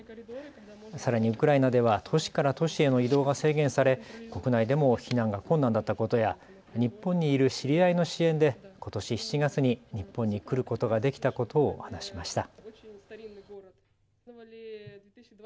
さらにウクライナでは都市から都市への移動が制限され国内でも避難が困難だったことや日本にいる知り合いの支援でことし７月に日本に来ることができたことを話しました。